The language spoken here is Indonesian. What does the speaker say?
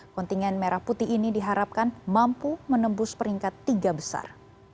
kontingen merah putih ini diharapkan mampu menembus peringkat tiga besar